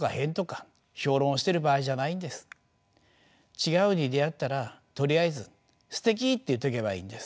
違うに出会ったらとりあえず「すてき！」と言っとけばいいんです。